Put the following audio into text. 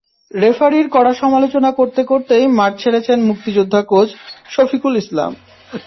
রেফারির কড়া সমালোচনা করতে করতেই মাঠ ছেড়েছেন মুক্তিযোদ্ধা কোচ শফিকুল ইসলাম।